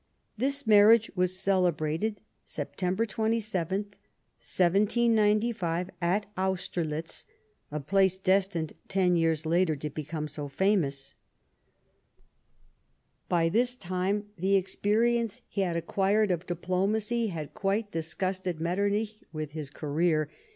This marriage was celebrated, Sept. 27, 1795, at Austerlitz — a place destined, ten years later, to become so liimous. By this time the experience he had acquired of diplo macy had quite disgusted Metternich with his career.